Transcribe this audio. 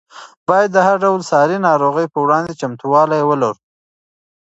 باید د هر ډول ساري ناروغۍ په وړاندې تل چمتووالی ولرو.